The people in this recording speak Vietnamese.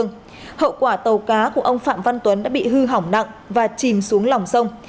ngoài ra tàu cá của ông phạm văn tuấn đã bị hư hỏng nặng và chìm xuống lòng sông